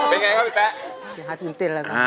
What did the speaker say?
เป็นไงครับพี่แป๊ะฮาตินเต้นแล้วนะ